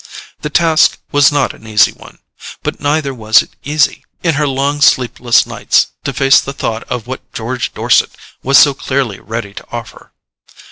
The task was not an easy one; but neither was it easy, in her long sleepless nights, to face the thought of what George Dorset was so clearly ready to offer.